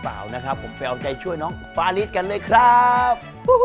เปล่านะครับผมไปเอาใจช่วยน้องฟาริสกันเลยครับ